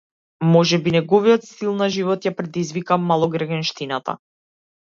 Можеби неговиот стил на живот ја предизвика малограѓанштината?